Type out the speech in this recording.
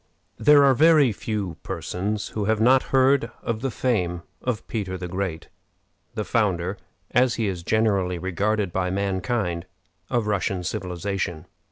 There are very few persons who have not heard of the fame of Peter the Great, the founder, as he is generally regarded by mankind, of Russian civilization.